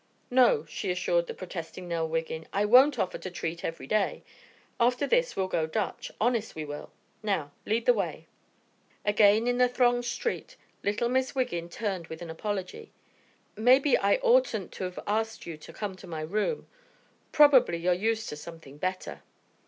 "No," she assured the protesting Nell Wiggin, "I won't offer to treat every day. After this we'll go Dutch, honest we will! Now lead the way." Again in the thronged street, little Miss Wiggin turned with an apology: "Maybe I oughtn't to've asked you to come to my room. Probably you're used to something better."